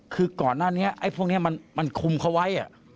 คือก่อนหน้านี้ไอ้พวกนี้มันคุมเขาไว้